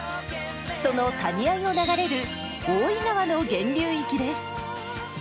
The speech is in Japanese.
その谷あいを流れる大井川の源流域です。